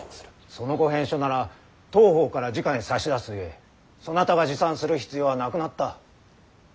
そのご返書なら当方からじかに差し出すゆえそなたが持参する必要はなくなった。